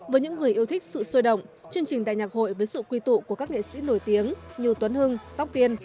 với những người yêu thích sự sôi động chương trình đại nhạc hội với sự quy tụ của các nghệ sĩ nổi tiếng như tuấn hưng tóc tiên